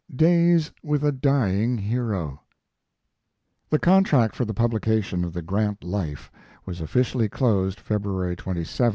DAYS WITH A DYING HERO The contract for the publication of the Grant Life was officially closed February 27, 1885.